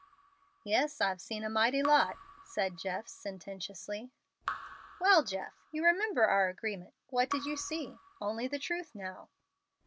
"Yes, I've seen a mighty lot," said Jeff, sententiously. "Well, Jeff, you remember our agreement. What did you see? Only the truth now."